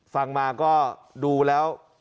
ฟังมาก็ดูแล้ว